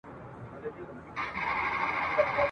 د بزګر لرګی به سم ورته اړم سو ..